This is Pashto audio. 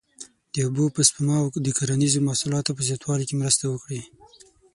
د اوبو په سپما او د کرنیزو محصولاتو په زیاتوالي کې مرسته وکړي.